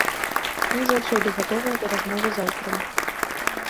Мы заўсёды гатовыя да размовы з аўтарам.